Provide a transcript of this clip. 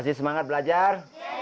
masih semangat belajar